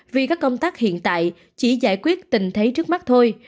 vì các công tác hiện tại chỉ giải quyết tình thế trước mắt thôi